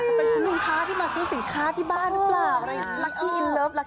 อ้ายจะเป็นนุรงค้าที่มาซื้อสินค้าที่บ้านหรือเปล่าอะไรเนี้ยอ่า